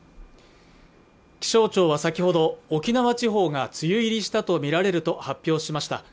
気象庁は先ほど沖縄地方が梅雨入りしたとみられると発表しました